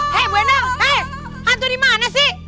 hei bu enang hei hantu di mana sih